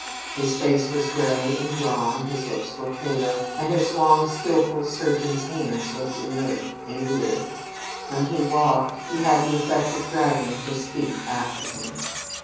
His face was gray and drawn, his lips were pale, and his long skillful surgeon's hands looked inert and weary. When he walked, he had the effect of dragging his feet after him.